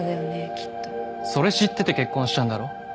きっとそれ知ってて結婚したんだろ？